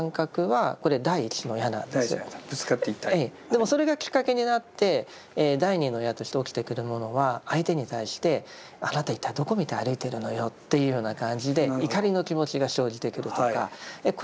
でもそれがきっかけになって第二の矢として起きてくるものは相手に対してあなた一体どこ見て歩いてるのよっていうような感じで怒りの気持ちが生じてくるとかこれが第二の矢です。